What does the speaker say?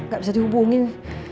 gak bisa dihubungin